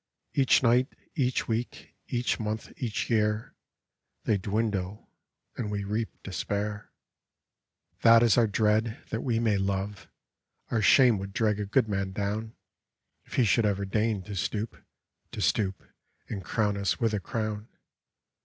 Each night, each week, each month, each year. They dwindle, and we reap Despair. A BALLAD " That is our dread — that we may love I Our shame would drag a good man down If he should ever deign to stoop, To stoop, and crown us with a crown."